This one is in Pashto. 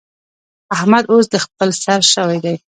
احمد اوس د خپل سر شوی دی.